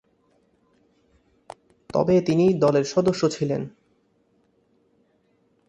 তবে, তিনি দলের সদস্য ছিলেন।